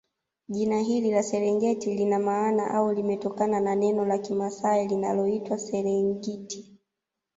Jina hili la Serengeti lina maana au limetokana na neno la kimasai linaloitwa Serengiti